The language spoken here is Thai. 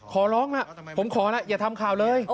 ขอร้องนะผมขอนะอย่าทำข่าวเลย